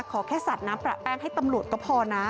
ขอแค่สัดน้ำประแป้งให้ตำรวจก็พอนะ